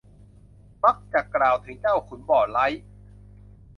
มักจักกล่าวถึงเจ้าถึงขุนบ่ไร้